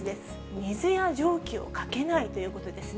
水や蒸気をかけないということですね。